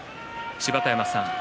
芝田山さん